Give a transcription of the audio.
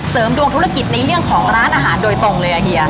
ดวงธุรกิจในเรื่องของร้านอาหารโดยตรงเลยอ่ะเฮีย